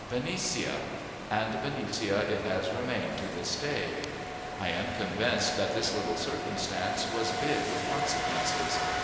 "Benicia;" and Benicia it has remained to this day. I am convinced that this little circumstance was big with consequences.